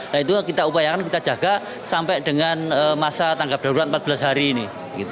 nah itu kita upayakan kita jaga sampai dengan masa tanggap darurat empat belas hari ini